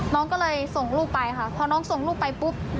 น้องก็เลยส่งลูกไปค่ะพอน้องส่งลูกไปปุ๊บ